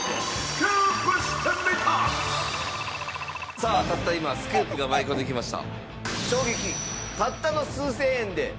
さあたった今スクープが舞い込んできました。